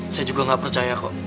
saya juga nggak percaya kok